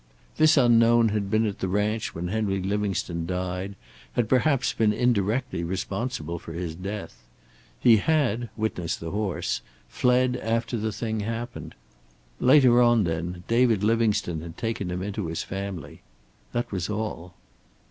This unknown had been at the ranch when Henry Livingstone died, had perhaps been indirectly responsible for his death. He had, witness the horse, fled after the thing happened. Later on, then, David Livingstone had taken him into his family. That was all.